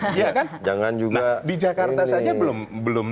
di jakarta saja belum